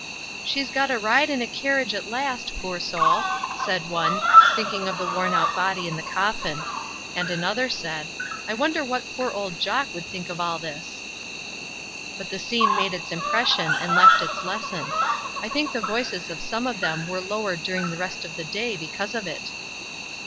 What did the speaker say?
"She's got a ride in a carriage at last, poor soul!" said one, thinking of the worn out body in the coffin; and another said: "I wonder what poor old Jock would think of all this?" But the scene made its impression, and left its lesson. I think the voices of some of them were lower during the rest of the day because of it.